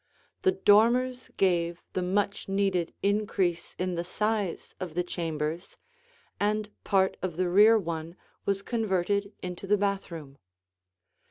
The dormers gave the much needed increase in the size of the chambers, and part of the rear one was converted into the bathroom.